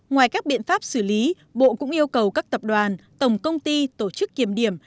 ngoài các biện pháp xử lý bộ cũng yêu cầu các tập đoàn tổng công ty tổ chức kiểm điểm